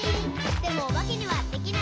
「でもおばけにはできない。」